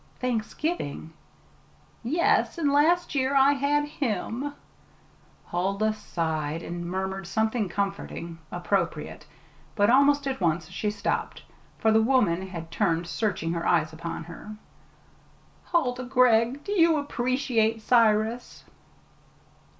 "Thanksgiving!" "Yes. And last year I had him!" Huldah sighed, and murmured something comforting, appropriate; but almost at once she stopped, for the woman had turned searching eyes upon her. "Huldah Gregg, do you appreciate Cyrus?"